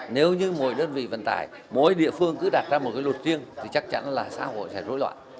nếu như mỗi đơn vị vận tải mỗi địa phương cứ đặt ra một cái luật riêng thì chắc chắn là xã hội sẽ rối loạn